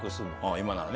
今ならね。